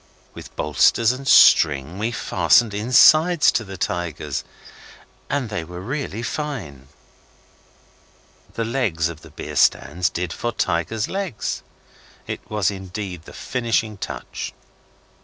With bolsters and string we fastened insides to the tigers and they were really fine. The legs of the beer stands did for tigers' legs. It was indeed the finishing touch.